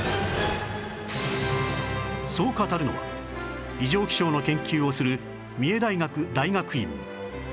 そう語るのは異常気象の研究をする三重大学大学院の立花先生